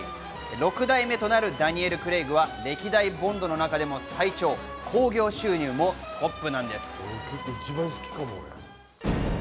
６代目となるダニエル・クレイグは歴代ボンドの中でも最長興行収入もトップです。